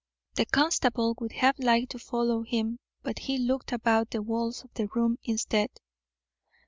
The constable would have liked to follow him, but he looked about the walls of the room instead.